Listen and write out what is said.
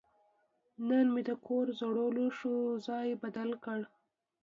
نن مې د کور زړو لوښو ځای بدل کړ.